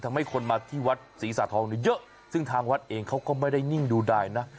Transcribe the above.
ทำให้คนมาที่วัดศรีสะทองเนี่ยเยอะซึ่งทางวัดเองเขาก็ไม่ได้นิ่งดูดายนะ